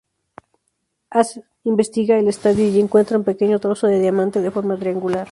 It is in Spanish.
Ace investiga el estadio y encuentra un pequeño trozo de diamante de forma triangular.